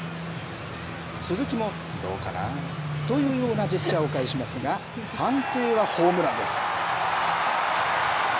鈴木も、どうかな？というようなジェスチャーを返しますが、判定はホームランです。